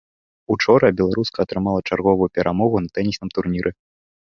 Учора беларуска атрымала чарговую перамогу на тэнісным турніры.